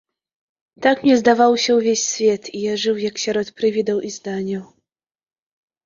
Так мне здаваўся ўвесь свет, і я жыў як сярод прывідаў і зданяў.